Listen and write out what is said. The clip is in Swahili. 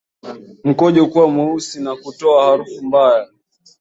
Mkojo kuwa mweusi na kutoa harufu mbaya